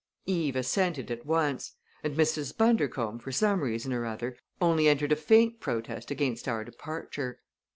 Eve assented at once; and Mrs. Bundercombe, for some reason or other, only entered a faint protest against our departure.